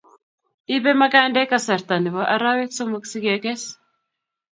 Ipe magandek kasarta nebo arawek somok si keges